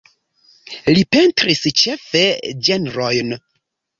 Li pentris ĉefe ĝenrojn.